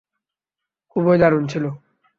খুবই দারুণ ছিল।